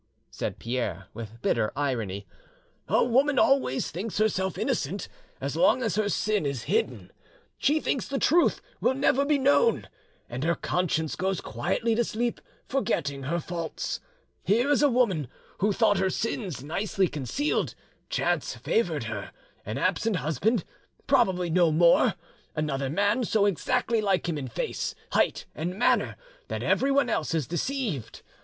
said Pierre, with bitter irony, "a woman always thinks herself innocent as long as her sin is hidden; she thinks the truth will never be known, and her conscience goes quietly to sleep, forgetting her faults. Here is a woman who thought her sins nicely concealed; chance favoured her: an absent husband, probably no more; another man so exactly like him in height, face, and manner that everyone else is deceived!